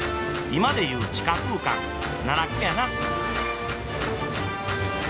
今でいう地下空間奈落やな。